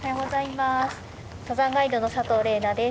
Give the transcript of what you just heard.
登山ガイドの佐藤玲奈です。